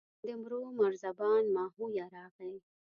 د مرو مرزبان ماهویه راغی.